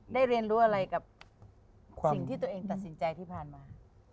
เรียนรู้อะไรกับสิ่งที่ตัวเองตัดสินใจที่ผ่านมา